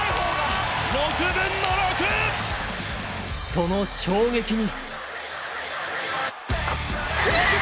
その衝撃に。